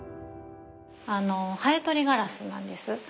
あのハエ取りガラスなんです。